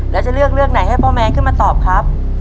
แล้วจะเลือกเรื่องไหนให้พ่อแมนขึ้นมาตอบครับ